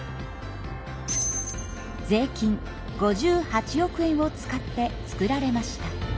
税金５８億円を使って作られました。